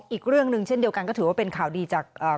อีกเรื่องหนึ่งเช่นเดียวกันก็ถือว่าเป็นข่าวดีจาก